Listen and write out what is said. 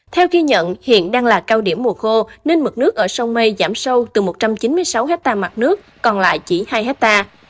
theo ghi nhận hiện đang là cao điểm mùa khô nên mực nước ở sông mây giảm sâu từ một trăm chín mươi sáu hectare mặt nước còn lại chỉ hai hectare